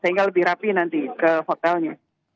sehingga lebih rapi nanti ke hotelnya